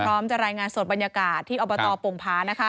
พร้อมจะรายงานสดบรรยากาศที่อบตโป่งพานะคะ